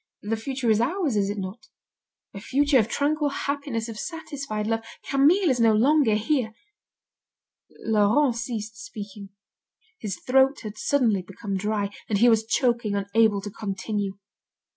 The future is ours, is it not? A future of tranquil happiness, of satisfied love. Camille is no longer here " Laurent ceased speaking. His throat had suddenly become dry, and he was choking, unable to continue.